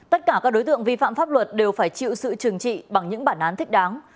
tất cả các đối tượng vi phạm pháp luật đều phải chịu sự trừng trị bằng những bản án thích đáng